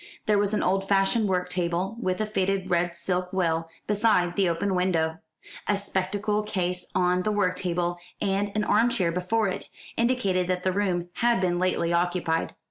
There was an old fashioned work table, with a faded red silk well, beside the open window. A spectacle case on the work table, and an armchair before it, indicated that the room had been lately occupied.